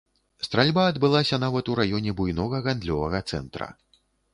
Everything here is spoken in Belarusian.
Стральба адбылася нават у раёне буйнога гандлёвага цэнтра.